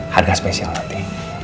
harga spesial nanti